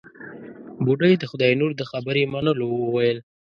بوډۍ د خداينور د خبرې منلو وويل.